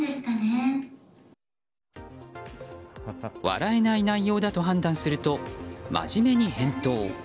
笑えない内容だと判断すると真面目に返答。